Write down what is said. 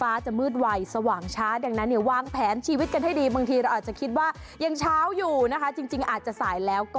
อาจจะสายแล้วก็ได้นะคะ